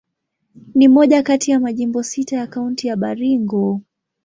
Ni moja kati ya majimbo sita ya Kaunti ya Baringo.